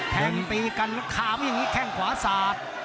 แทงตีกันแล้วขามอย่างนี้แข้งขวาสาด